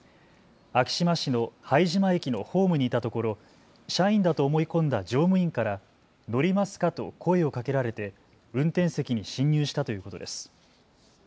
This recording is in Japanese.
昭島市の拝島駅のホームにいたところ、社員だと思い込んだ乗務員から乗りますかと声をかけられて運転席に侵入したということです。